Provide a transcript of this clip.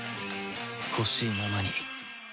ほしいままに